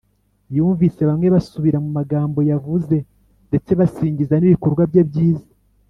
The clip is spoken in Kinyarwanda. yumvise bamwe basubira mu magambo yavuze, ndetse basingiza n’ibikorwa bye byiza